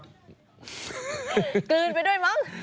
กลืนไปด้วยมั้ง